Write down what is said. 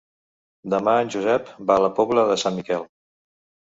Demà en Josep va a la Pobla de Sant Miquel.